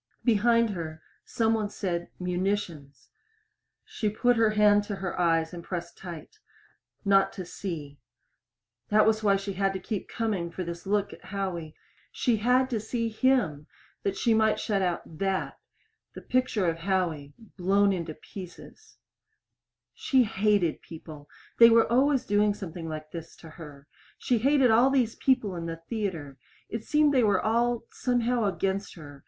Behind her some one said "munitions." She put her hand to her eyes and pressed tight. Not to see. That was why she had to keep coming for this look at Howie. She had to see him that she might shut out that the picture of Howie blown into pieces. She hated people. They were always doing something like this to her. She hated all these people in the theater. It seemed they were all, somehow, against her.